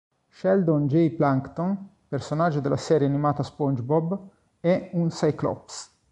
Sheldon J. Plankton, personaggio della serie animata SpongeBob, è un Cyclops.